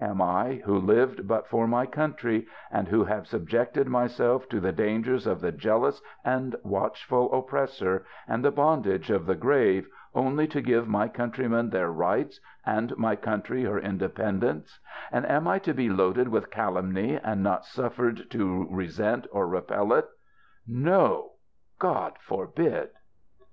Am I, who lived but for my country, and who have subjected myself to the dangers of the jealous and watchful oppressor, and the bondage of the grave, only to give my countrymen their rights, and my country her in dependence, and am I to be loaded with calumny, and not suffer ed to resent or repel it ŌĆö No, God forbid